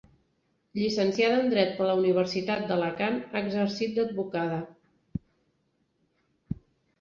Llicenciada en dret per la Universitat d'Alacant ha exercit d'advocada.